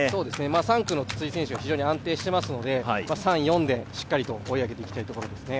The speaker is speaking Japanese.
３区の筒井選手が非常に安定してますので３・４で追い上げていきたいところですね。